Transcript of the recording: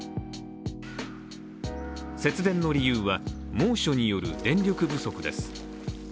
節電の理由は猛暑による電力不足です。